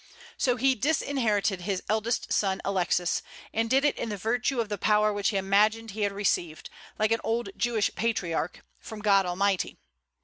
So he disinherited his eldest son Alexis, and did it in virtue of the power which he imagined he had received, like an old Jewish patriarch, from God Almighty.